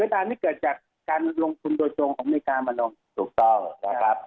ตามนี้เกิดจากการลงทุนโดยตรงของอเมริกามาลงถูกต้องนะครับ